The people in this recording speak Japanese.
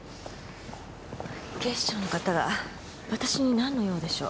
警視庁の方が私に何の用でしょう？